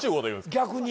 逆に